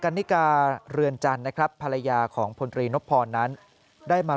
นิกาเรือนจันทร์นะครับภรรยาของพลตรีนพพรนั้นได้มา